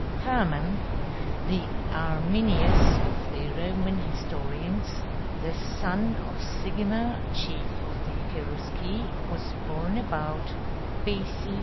] Hermann, the Arminius of the Roman historians, the son of Sigimer, chief of the Cherusci, was born about B.C.